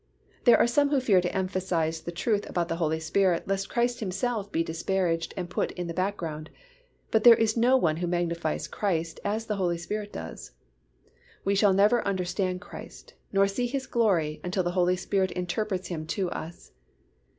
There are some who fear to emphasize the truth about the Holy Spirit lest Christ Himself be disparaged and put in the background, but there is no one who magnifies Christ as the Holy Spirit does. We shall never understand Christ, nor see His glory until the Holy Spirit interprets Him to us.